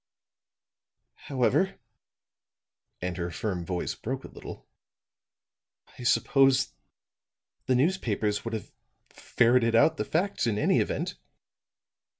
However," and her firm voice broke a little, "I suppose the newspapers would have ferreted out the facts in any event."